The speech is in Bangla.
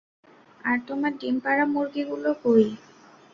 আর তোমার ডিম পাড়া মুরগিগুলা কই?